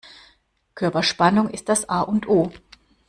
Körperspannung ist das A und O.